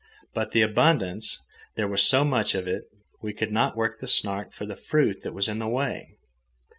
But the abundance! There was so much of it. We could not work the Snark for the fruit that was in the way.